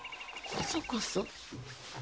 こそこそ？